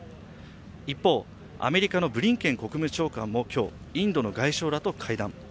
一方、アメリカのブリンケン国務長官も今日、インドの外相らと会談。